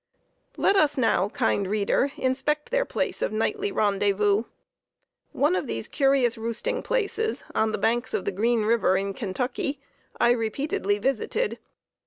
Let us now, kind reader, inspect their place of nightly rendezvous. One of these curious roosting places, on the banks of the Green River in Kentucky, I repeatedly visited.